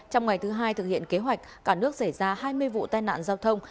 trong ngày thứ hai thực hiện kế hoạch cả nước xảy ra hai mươi vụ tai nạn giao thông